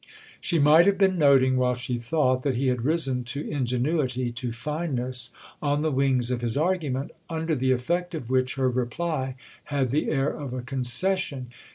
She might have been noting, while she thought, that he had risen to ingenuity, to fineness, on the wings of his argument; under the effect of which her reply had the air of a concession.